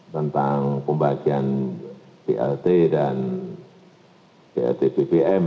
tentang pembagian plt dan plt bpm